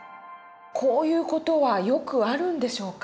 こういう事はよくあるんでしょうか。